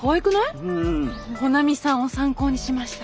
穂波さんを参考にしました。